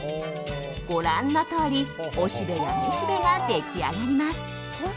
ご覧のとおりおしべやめしべが出来上がります。